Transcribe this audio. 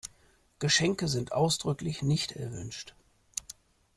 Geschenke sind ausdrücklich nicht erwünscht.